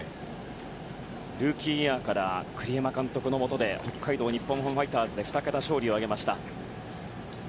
ルーキーイヤーから栗山監督のもとで北海道日本ハムファイターズで２桁勝利を挙げました。